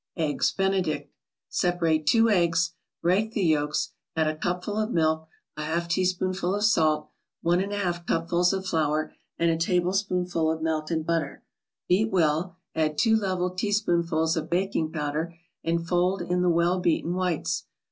EGGS BENEDICT Separate two eggs. Break the yolks, add a cupful of milk, a half teaspoonful of salt, one and a half cupfuls of flour and a tablespoonful of melted butter. Beat well, add two level teaspoonfuls of baking powder and fold in the well beaten whites.